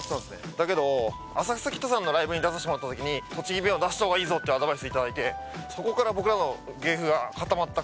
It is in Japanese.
だけど浅草キッドさんのライブに出さしてもらったときに「栃木弁は出した方がいいぞ」ってアドバイス頂いてそこから僕らの芸風が固まった感じしますね。